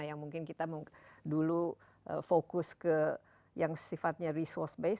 yang mungkin kita dulu fokus ke yang sifatnya resource base